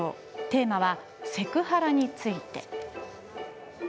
テーマはセクハラについて。